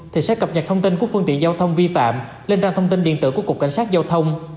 thì sẽ cập nhật thông tin của phương tiện giao thông vi phạm lên trang thông tin điện tử của cục cảnh sát giao thông